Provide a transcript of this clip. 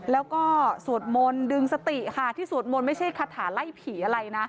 แล้วก็สวดมนต์ดึงสติค่ะที่สวดมนต์ไม่ใช่คาถาไล่ผีอะไรนะ